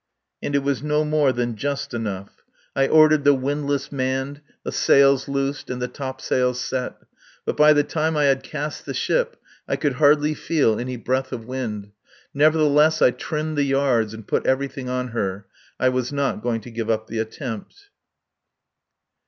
And it was no more than just enough. I ordered the windlass manned, the sails loosed, and the topsails set. But by the time I had cast the ship I could hardly feel any breath of wind. Nevertheless, I trimmed the yards and put everything on her. I was not going to give up the attempt.